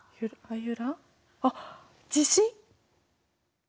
あっ地震！？